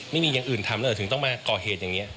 ไม่มีอย่างอื่นทำแล้วเหรอถึงต้องมาก่อเหตุอย่างนี้